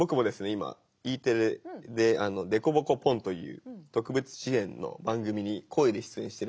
今Ｅテレで「でこぼこポン！」という特別支援の番組に声で出演してるんですよ。